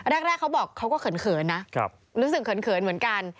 อันแรกเขาบอกเขาก็เขินเขินนะรู้สึกเขินเขินเหมือนกัน